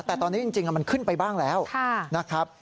แต่ตอนนี้จริงมันขึ้นไปบ้างแล้วนะครับ